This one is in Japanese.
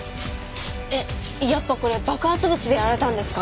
えっやっぱこれ爆発物でやられたんですか？